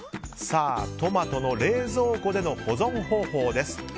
トマトの冷蔵庫での保存方法です。